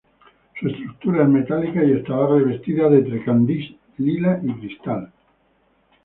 Su estructura es metálica y estará revestida de trencadís lila y cristal.